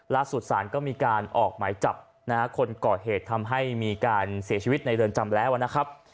สารก็มีการออกหมายจับนะฮะคนก่อเหตุทำให้มีการเสียชีวิตในเรือนจำแล้วนะครับ